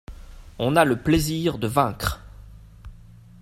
On a le plaisir de vaincre.